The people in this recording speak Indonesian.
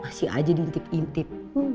masih aja diintip intip